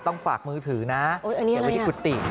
ต้องฝากมือถือนะอย่าไปที่กุฏิ